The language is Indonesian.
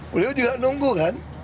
beliau juga nunggu kan